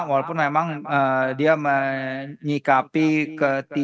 walaupun memang dia menyikapi ke tim